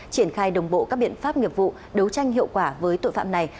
triển khai đồng bộ các biện pháp nghiệp vụ đấu tranh hiệu quả với tội phạm này